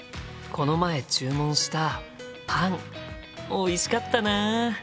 この前注文したパンおいしかったな。